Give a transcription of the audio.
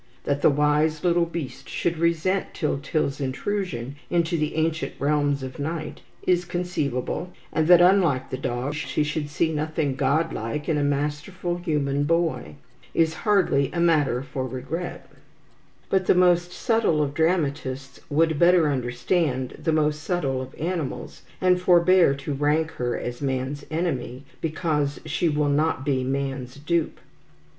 That the wise little beast should resent Tyltyl's intrusion into the ancient realms of night, is conceivable, and that, unlike the dog, she should see nothing godlike in a masterful human boy, is hardly a matter for regret; but the most subtle of dramatists should better understand the most subtle of animals, and forbear to rank her as man's enemy because she will not be man's dupe.